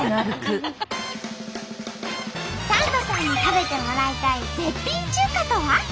サンドさんに食べてもらいたい絶品中華とは？